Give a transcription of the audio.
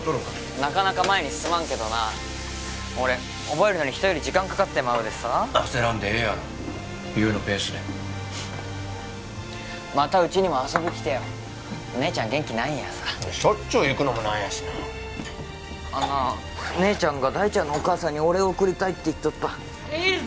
なかなか前に進まんけどな俺覚えるのに人より時間かかってまうでさ焦らんでええやろ優のペースでまたうちにも遊びきてよ姉ちゃん元気ないんやさしょっちゅう行くのも何やしなあんなあ姉ちゃんが大ちゃんのお母さんにお礼送りたいって言っとったいいさ